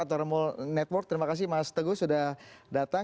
terima kasih mas teguh sudah datang